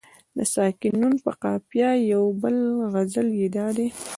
د ساکن نون په قافیه یو بل غزل یې دادی.